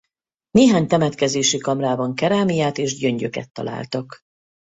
Néhány temetkezési kamrában kerámiát és gyöngyöket találtak.